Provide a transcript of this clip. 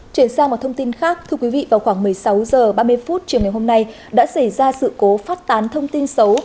chuyển sang một thông tin khác thưa quý vị vào khoảng một mươi sáu h ba mươi phút chiều ngày hôm nay đã xảy ra sự cố phát tán thông tin xấu